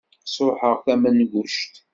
Sruḥeɣ tamenguct.